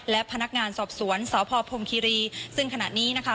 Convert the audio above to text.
และพนักงานสอบสวนสพพรมคิรีซึ่งขณะนี้นะคะ